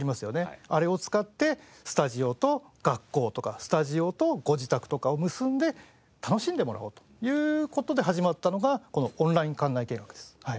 あれを使ってスタジオと学校とかスタジオとご自宅とかを結んで楽しんでもらおうという事で始まったのがこのオンライン館内見学です。